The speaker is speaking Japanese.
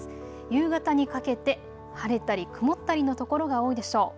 夕方にかけて晴れたり曇ったりの所が多いでしょう。